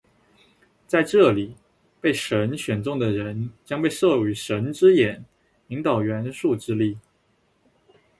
在这里，被神选中的人将被授予「神之眼」，引导元素之力。